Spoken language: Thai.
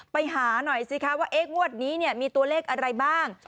ไปหาหน่อยสิคะว่างวดนี้มีตัวเลขอะไรบ้าง